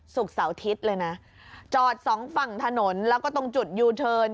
เสาร์อาทิตย์เลยนะจอดสองฝั่งถนนแล้วก็ตรงจุดยูเทิร์น